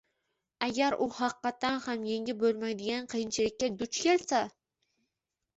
agar u haqiqatdan ham yengib bo‘lmaydigan qiyinchilikka duch kelsa